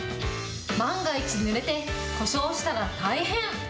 万が一ぬれて、故障したら大変。